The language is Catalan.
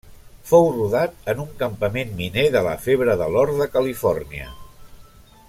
Fou rodat en un campament miner de la Febre de l'or de Califòrnia.